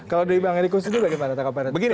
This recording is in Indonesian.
kalau dari bang henrikus itu bagaimana